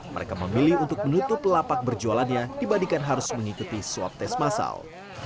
mereka memilih untuk menutup lapak berjualannya dibandingkan harus mengikuti swab tes masal